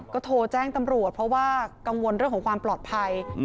ก็โทรแจ้งตำรวจเพราะว่ากังวลเรื่องของความปลอดภัย